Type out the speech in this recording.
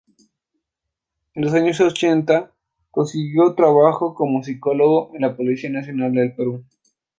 En los años ochenta consiguió trabajo como psicólogo en la Policía Nacional del Perú.